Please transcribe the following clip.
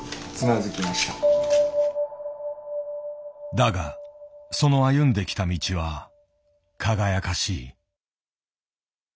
だがその歩んできた道は輝かしい。